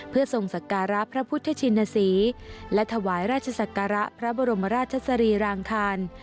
เพื่อทรงสักการะพระพุทธชินศรีและถวายราชศักระพระบรมราชสรีรางคาร